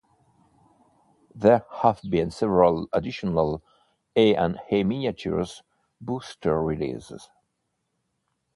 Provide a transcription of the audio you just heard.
There have been several additional "A and A Miniatures" booster releases.